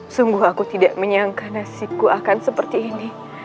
sungguh aku tidak menyangka nasibku akan seperti ini